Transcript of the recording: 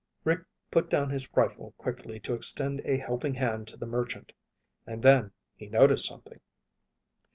Rick put down his rifle quickly to extend a helping hand to the merchant. And then he noticed something.